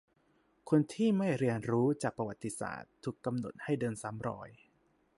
คนที่ไม่เรียนรู้จากประวัติศาสตร์ ถูกกำหนดให้เดินซ้ำรอย